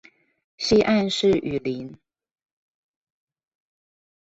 西岸是雨林